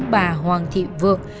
bà hoàng thị vượng